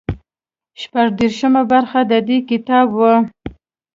شپږ دېرشمه برخه د دې کتاب وو.